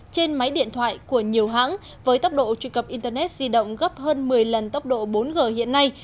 trên máy điện thoại của nhiều hãng với tốc độ truy cập internet di động gấp hơn một mươi lần tốc độ bốn g hiện nay